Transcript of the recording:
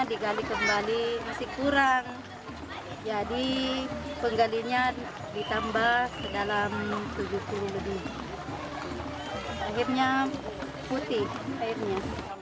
digali kembali masih kurang jadi penggalinya ditambah sedalam tujuh puluh lebih akhirnya putih airnya